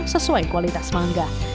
sesuai kualitas mangga